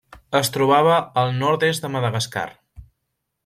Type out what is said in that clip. Es trobava al nord-est de Madagascar.